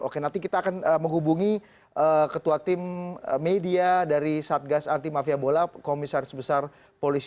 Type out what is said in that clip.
oke nanti kita akan menghubungi ketua tim media dari satgas anti mafia bola komisaris besar polisi